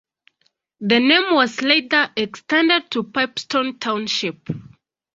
The name was later extended to Pipestone Township.